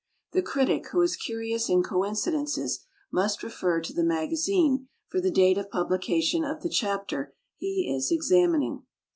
The critic who is curious in coincidences must refer to the Magazine for the date of publication of the chapter he is examining.